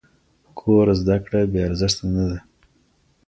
کور زده کړه بې ارزښته نه ده.